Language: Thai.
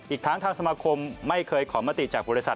อีกทั้งทางสมาคมไม่เคยขอมติจากบริษัท